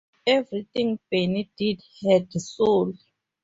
Everything Bernie did had soul.